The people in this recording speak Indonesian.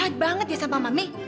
enak banget ya sama mami